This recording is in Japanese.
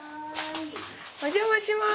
お邪魔します。